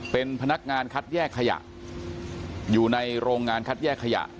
เป็นพนักงานคัดแยกขยะอยู่ในโรงงานคัดแยกขยะ